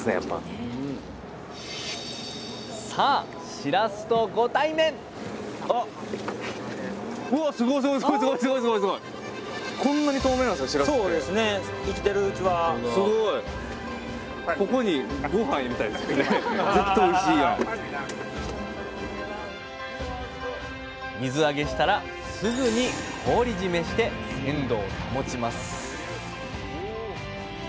さあ水揚げしたらすぐに氷締めして鮮度を保ちます